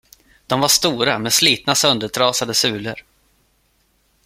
De var stora med slitna söndertrasade sulor.